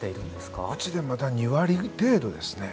うちでまだ２割程度ですね。